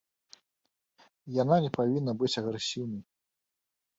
Яна не павінна быць агрэсіўнай.